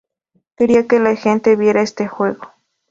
Quería que la gente viera este juego".